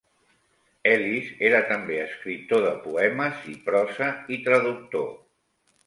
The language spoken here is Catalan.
Ellis era també escriptor de poemes i prosa i traductor.